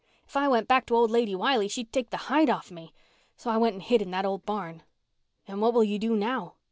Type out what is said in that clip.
If I went back to old Lady Wiley she'd take the hide off me. So I went and hid in that old barn." "And what will you do now?"